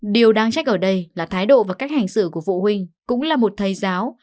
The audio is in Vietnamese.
điều đáng trách ở đây là thái độ và cách hành xử của phụ huynh cũng là một thầy giáo